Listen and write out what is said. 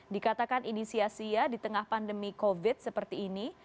dikatakan ini sia sia di tengah pandemi covid seperti ini